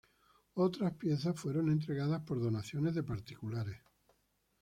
Otras piezas fueron entregadas por donaciones de particulares.